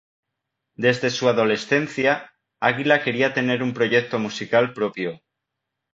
Desde su adolescencia, Águila quería tener un proyecto musical propio.